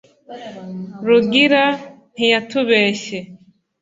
rugira ntiyatubeshye